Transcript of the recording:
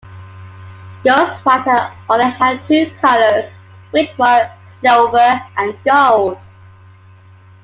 Ghostwriter only had two colors, which were silver and gold.